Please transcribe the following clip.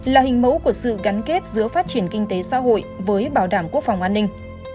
là hình mẫu của sự gắn kết giữa phát triển kinh tế xã hội với bảo đảm quốc phòng an ninh